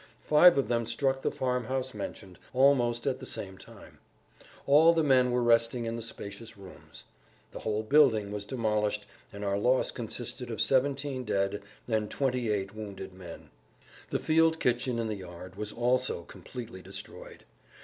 Five of them struck the farmhouse mentioned, almost at the same time. All the men were resting in the spacious rooms. The whole building was demolished, and our loss consisted of 17 dead and 28 wounded men. The field kitchen in the yard was also completely destroyed.